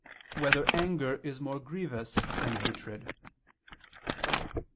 6] Whether Anger Is More Grievous Than Hatred?